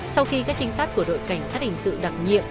sau khi các trinh sát của đội cảnh sát hình sự đặc nhiệm